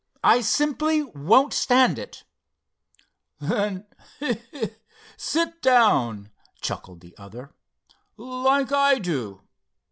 I simply won't stand it." "Then—he! he! sit down," chuckled the other—"like I do."